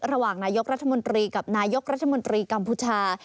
ระหว่างนายกรัฐมนตรีกับนายกรัฐมนตรีกัมพูชา